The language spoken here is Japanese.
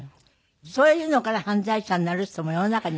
そういうのから犯罪者になる人も世の中にはいるでしょ。